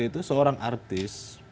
itu seorang artis